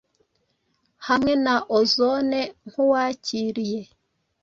Hamwe na ozone nkuwakiriye,